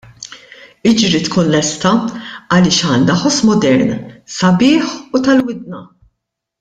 Iġri tkun lesta, għaliex għandha ħoss modern, sabiħ u tal-widna.